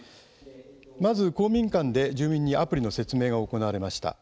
まず、公民館で住民にアプリの説明が行われました。